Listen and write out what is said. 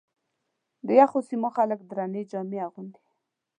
د یخو سیمو خلک درنې جامې اغوندي.